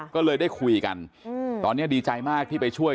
ก็เลยได้คุยกันตอนนี้ดีใจมากที่ไปช่วย